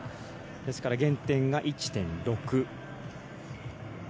ですから、減点が１．６。